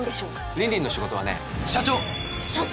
リンリンの仕事はね社長社長！？